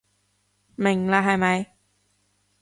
明啦係咪？